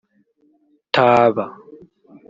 Taba